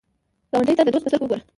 ګاونډي ته د دوست په سترګه وګوره